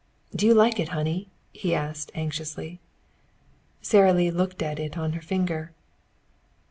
"Do you like it, honey?" he asked anxiously. Sara Lee looked at it on her finger.